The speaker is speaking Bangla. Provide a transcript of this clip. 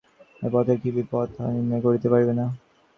এই পথের যে কি বিপদ, তাহা নির্ণয় করিতে পারিবে না।